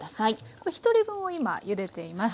これ１人分を今ゆでています。